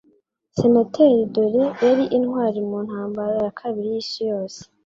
Senateri Dole yari intwari mu Ntambara ya Kabiri y'Isi Yose.